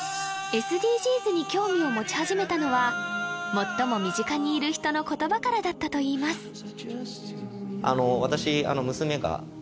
ＳＤＧｓに興味を持ち始めたのは最も身近にいる人の言葉からだったといいます